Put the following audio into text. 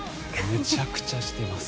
めちゃくちゃしてます。